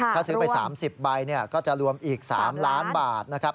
ถ้าซื้อไป๓๐ใบก็จะรวมอีก๓ล้านบาทนะครับ